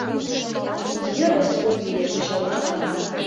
Мыняр роскот лие, чыла арам!